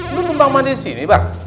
lu nyumbang mandi disini bar